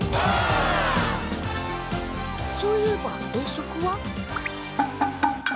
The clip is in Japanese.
そういえば遠足は？